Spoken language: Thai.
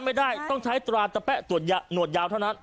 ไม่ได้ต้องใช้ตราตะแป๊ะตรวจหนวดยาวเท่านั้น